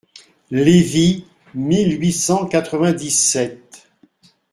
Lévy, mille huit cent quatre-vingt-dix-sept.